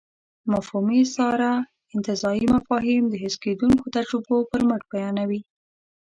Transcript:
مفهومي استعاره انتزاعي مفاهيم د حس کېدونکو تجربو پر مټ بیانوي.